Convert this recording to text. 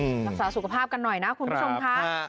รักษาสุขภาพกันหน่อยนะคุณผู้ชมค่ะ